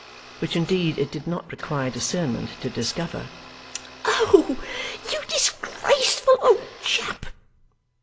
(which indeed it did not require discernment to discover). 'Oh, you disgraceful old chap!